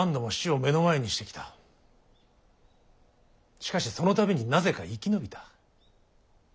しかしその度になぜか生き延びた。